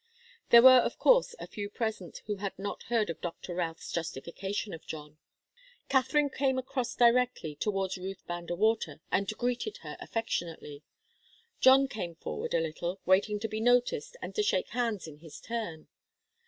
There were, of course, a few present who had not heard of Doctor Routh's justification of John. Katharine came across directly, towards Ruth Van De Water, and greeted her affectionately. John came forward a little, waiting to be noticed and to shake hands in his turn.